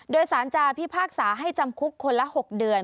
โดยสารจาพิพากษาให้จำคุกคนละ๖เดือน